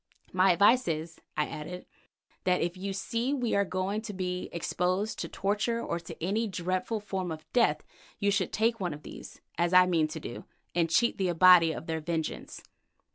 "My advice is," I added, "that if you see we are going to be exposed to torture or to any dreadful form of death, you should take one of these, as I mean to do, and cheat the Abati of their vengeance."